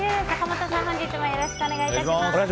本日もよろしくお願いいたします。